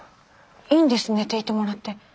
いいんです寝ていてもらって。